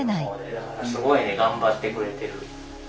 だからすごいね頑張ってくれてる。